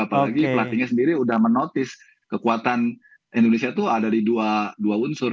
apalagi pelatihnya sendiri sudah menotis kekuatan indonesia itu ada di dua unsur